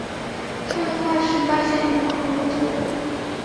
它们的化石发现于法国和德国。